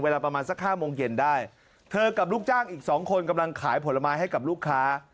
เวลาประมาณสักห้าโมงเย็นได้เธอกับลูกจ้างอีกสองคนกำลังขายผลไม้ให้กับลูกค้า